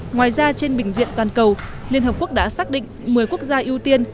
ngoài ra trên bình diện toàn cầu liên hợp quốc đã xác định một mươi quốc gia ưu tiên